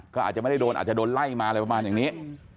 ก็อาจจะไม่ได้โดนอาจจะโดนไล่มาอะไรประมาณอย่างนี้